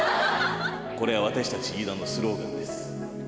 これは私たちイイダのスローガンです。